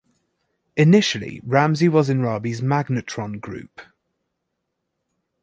Initially, Ramsey was in Rabi's magnetron group.